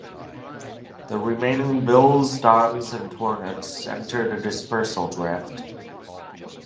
The remaining Bills, Dons, and Hornets entered a dispersal draft.